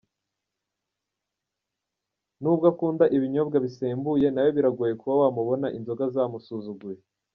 Nubwo akunda ibinyobwa bisembuye, na we biragoye kuba wamubona inzoga zamusuzuguye.